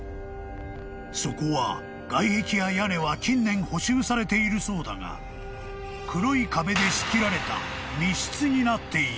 ［そこは外壁や屋根は近年補修されているそうだが黒い壁で仕切られた密室になっている］